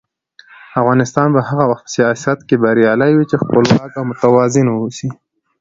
افغانستان به هغه وخت په سیاست کې بریالی وي چې خپلواک او متوازن واوسي.